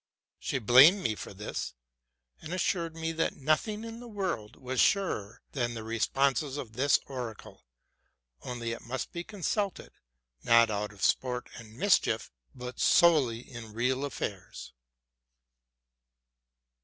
She blamed me for this, and assured me that nothing in the world was surer than the responses of this oracle ; only it must be consulted, not out of sport and mischief, but solely in real affairs.